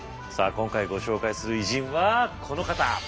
今回ご紹介する偉人はこの方。